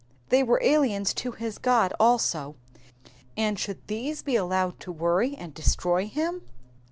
They were aliens to his God also, and should these be allowed to worry and destroy him.